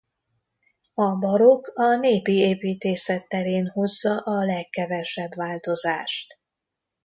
A barokk a népi építészet terén hozza a legkevesebb változást.